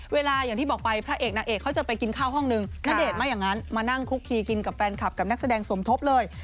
อย่างที่บอกไปพระเอกนางเอกเขาจะไปกินข้าวห้องหนึ่งณเดชน์ไม่อย่างนั้นมานั่งคุกคีกินกับแฟนคลับกับนักแสดงสมทบเลย